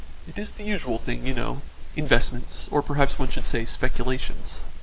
It is the usual thing, you know investments, or perhaps one should say speculations.